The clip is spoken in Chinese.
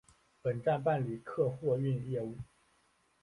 本站办理客货运业务。